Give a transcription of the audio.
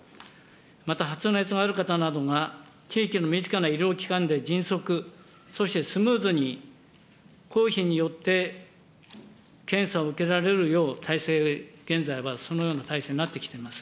また発熱がある方などが、地域の身近な医療機関で迅速、そしてスムーズに公費によって検査を受けられるよう体制、現在はそのような体制になってきています。